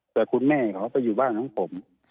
แต่คุณแม่เขาก็อยู่บ้านของผม